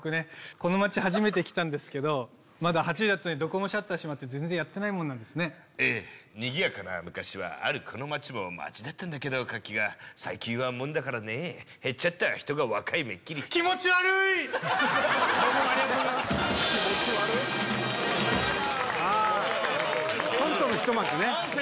この街初めて来たんですけどまだ８時だというのにどこもシャッター閉まって全然やってないもんなんですねええにぎやかな昔はあるこの街も街だったんだけど活気が最近はもんだからね減っちゃった人が若いめっきり気持ち悪いっどうもありがとうございました気持ち悪っ・やだあコントの一幕ね